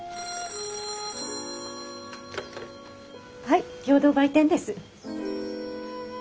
☎はい共同売店です。